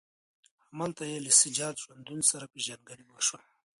همدلته یې له سجاد ژوندون سره پېژندګلوي وشوه.